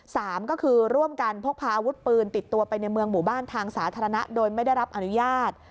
สามก็คือร่วมกันพกพาอาวุธปืนติดตัวไปในเมืองหมู่บ้านทางสาธารณะโดยไม่ได้รับอนุญาต